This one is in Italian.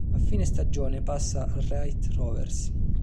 A fine stagione passa al Raith Rovers.